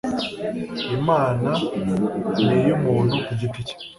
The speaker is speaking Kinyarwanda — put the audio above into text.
Imana ni iy'umuntu kugiti cye.